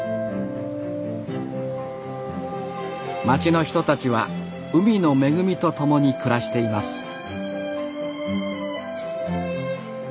町の人たちは海の恵みとともに暮らしています。